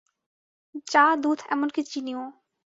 চা, দুধ, এমনকি চিনিও।